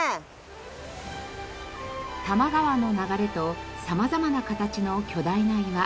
多摩川の流れと様々な形の巨大な岩。